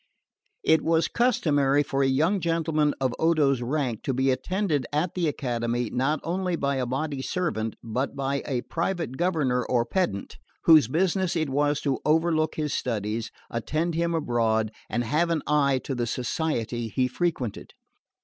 It was customary for a young gentleman of Odo's rank to be attended at the Academy not only by a body servant but by a private governor or pedant, whose business it was to overlook his studies, attend him abroad, and have an eye to the society he frequented.